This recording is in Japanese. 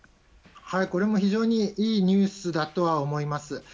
これも非常にいいニュースだとは思います。